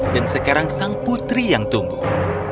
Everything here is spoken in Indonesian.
sekarang sang putri yang tumbuh